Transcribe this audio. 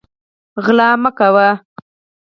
غلا مه کوئ